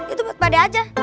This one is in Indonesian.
itu buat pak de aja